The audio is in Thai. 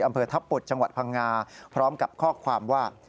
อำเภอทัพปุดจังหวัดพังงาพร้อมกับข้อความว่า